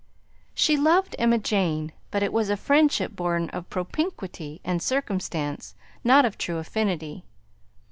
She loved Emma Jane, but it was a friendship born of propinquity and circumstance, not of true affinity.